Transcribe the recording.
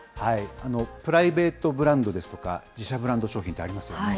プライベートブランドですとか自社ブランド商品ってありますよね。